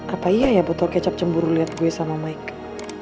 apa iya ya botol kecap cemburu lihat gue sama michael